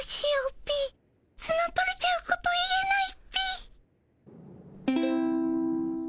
ピツノ取れちゃうこと言えないっピ。